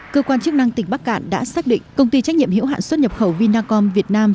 cơ quan chức năng tỉnh bắc cạn đã xác định công ty trách nhiệm hiểu hạn xuất nhập khẩu vinacom việt nam